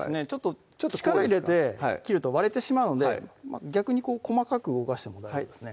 ちょっと力入れて切ると割れてしまうんで逆に細かく動かしても大丈夫です